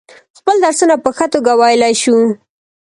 خپل درسونه په ښه توگه ویلای شو.